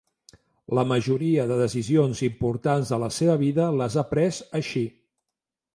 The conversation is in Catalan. La majoria de decisions importants de la seva vida les ha pres així.